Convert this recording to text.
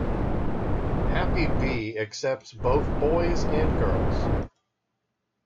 Happy Bee accepts both boys and girls.